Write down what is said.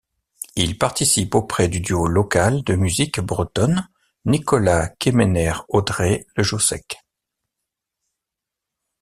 Il participe auprès du duo local de musique bretonne Nicolas Quémener-Audrey Le Jossec.